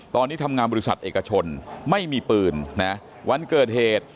ตอนนี้ทำงานบริษัทเอกชนไม่มีปืนนะวันเกิดเหตุ